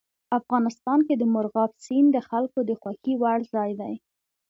افغانستان کې مورغاب سیند د خلکو د خوښې وړ ځای دی.